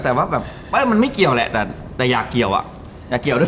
แต่ว่าแบบมันไม่เกี่ยวแหละแต่แต่อยากเกี่ยวอ่ะอยากเกี่ยวด้วย